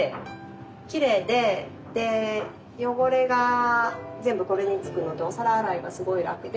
きれいで汚れが全部これに付くのとお皿洗いがすごい楽で。